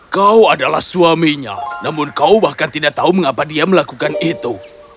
kau adalah suaminya namun kau bahkan tidak tahu mengapa dia melakukan itu